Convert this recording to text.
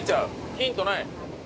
ヒントない。